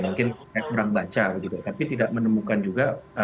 mungkin saya berang baca juga tapi tidak menemukan juga